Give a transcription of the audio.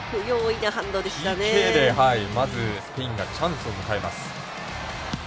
まずスペインがチャンスを迎えます。